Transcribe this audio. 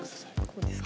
こうですか？